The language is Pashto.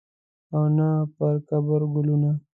او نه پرقبر ګلونه